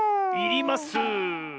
いります。